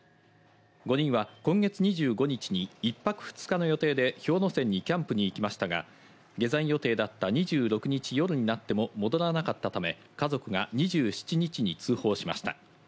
５人は今月２５日に１泊２日の予定で氷ノ山にキャンプに行きましたが、下山予定だった２６日の夜になっても戻らなかったため、家族が２７日に通報しました。